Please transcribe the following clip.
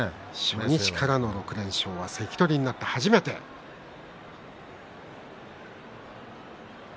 初日からの６連勝は関取になって初めての明生。